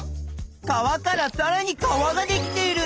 川からさらに川ができている！